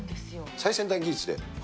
最先端技術で。